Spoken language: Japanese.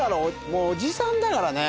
もうおじさんだからね。